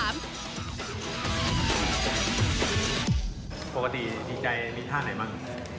ปกติดีใจมีท่าไหนบ้าง